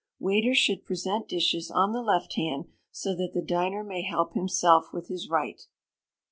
Waiters should present dishes on the left hand; so that the diner may help himself with his right.